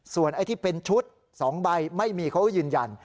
ส่วนไอ้ที่เป็นชุด๒ใบไม่มีเขาก็ยืนยัน